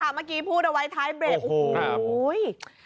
เมื่อกี้พูดเอาไว้ท้ายเบรกโอ้โห